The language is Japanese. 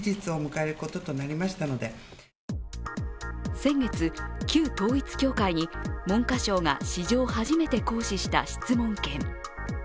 先月、旧統一教会に文科省が史上初めて行使した質問権。